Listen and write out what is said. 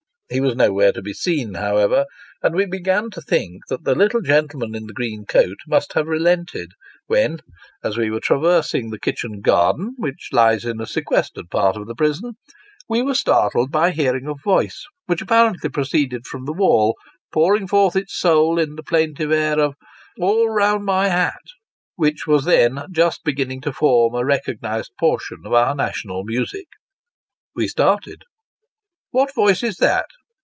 Ho was nowhere to be seen, however, and we began to think that the little gentleman in the green coat must have relented, when, as we were traversing the kitchen garden, which lies in a sequestered part of the prison, we were startled by hearing a voice, which apparently proceeded from the wall, pouring forth its soul in the plaintive air of " All round my io8 Sketches by Boz. hat," which was then just beginning to form a recognised portion of our national mnsic. We started. " What voice is that